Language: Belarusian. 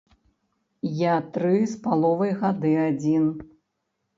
Я тры з паловай гады адзін.